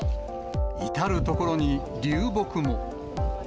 至る所に流木も。